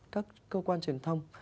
các cơ quan truyền thông